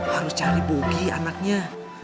harus cari bogi anaknya